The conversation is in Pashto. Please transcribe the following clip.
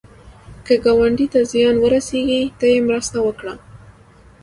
که ګاونډي ته زیان ورسېږي، ته یې مرسته وکړه